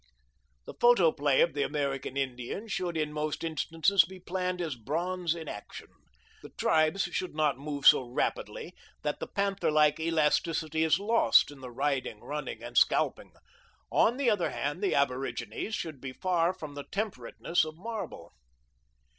The photoplay of the American Indian should in most instances be planned as bronze in action. The tribes should not move so rapidly that the panther like elasticity is lost in the riding, running, and scalping. On the other hand, the aborigines should be far from the temperateness of marble.